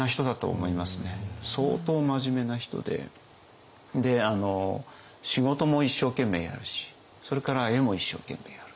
相当真面目な人で仕事も一生懸命やるしそれから絵も一生懸命やる。